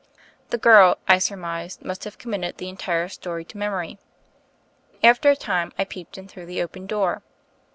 The girl, I surmised, must have committed the entire story to memory. After a time I peeped in through the open door.